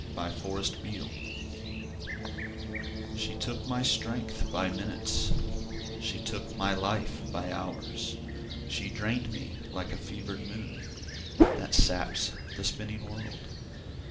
Fletcher McGee She took my strength by minutes, She took my life by hours, She drained me like a fevered moon That saps the spinning world.